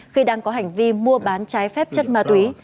khi đang có hành vi mua bán trái phép chất ma túy